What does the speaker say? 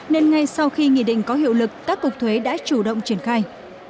nên ngay sau khi nghị định có hiệu lực các cục thuế đã chủ động triển khai